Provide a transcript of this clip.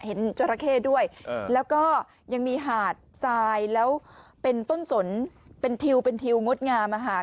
จราเข้ด้วยแล้วก็ยังมีหาดทรายแล้วเป็นต้นสนเป็นทิวเป็นทิวงดงามอะค่ะ